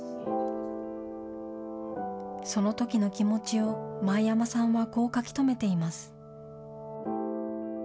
そのときの気持ちを前山さんはこう書き留めています。